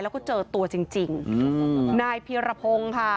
แล้วก็เจอตัวจริงนายพี่ระพงค่ะ